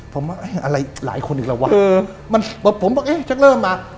ผมว่าอะไรหลายคนอีกแล้ววะเออมันผมบอกเอ๊ะฉันเริ่มมา